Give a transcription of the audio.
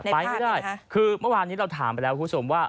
ไปไม่ได้คือเมื่อวานนี้เราถามไปแล้วคุณผู้ชมว่า